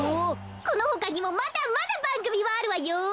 このほかにもまだまだばんぐみはあるわよ。